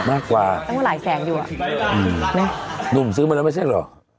มากกว่าตั้งหลายแสนอยู่อ่ะนะหนุ่มซื้อมาแล้วไม่ใช่เหรอ